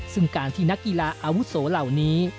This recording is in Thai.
ซึ่งการที่นักกีฬาอาวุโสเหล่านี้